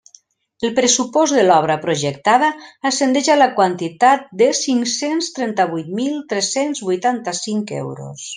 El pressupost de l'obra projectada ascendeix a la quantitat de cinc-cents trenta-vuit mil tres-cents vuitanta-cinc euros.